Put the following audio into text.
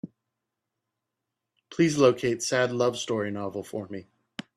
Please locate Sad Love Story novel for me.